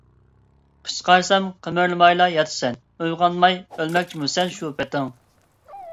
قىچقارسام قىمىرلىمايلا ياتىسەن، ئويغانماي ئۆلمەكچىمۇ سەن شۇ پېتىڭ؟!